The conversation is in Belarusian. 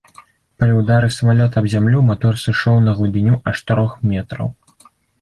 Пры ўдары самалёта аб зямлю матор сышоў на глыбіню аж трох метраў.